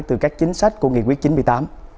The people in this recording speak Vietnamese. từ các chính sách của nghị quyết chín mươi tám